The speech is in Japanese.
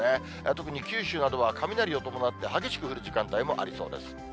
特に九州などは雷を伴って激しく降る時間帯もありそうです。